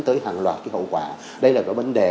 tới hàng loạt cái hậu quả đây là cái vấn đề